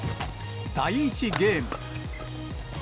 第１ゲーム。